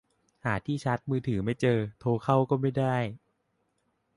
หาที่ชาร์จมือถือไม่เจอ โทรเข้าก็ไม่ได้